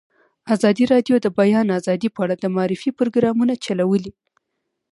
ازادي راډیو د د بیان آزادي په اړه د معارفې پروګرامونه چلولي.